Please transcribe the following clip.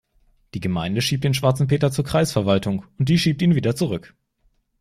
Die Gemeinde schiebt den schwarzen Peter zur Kreisverwaltung und die schiebt ihn wieder zurück.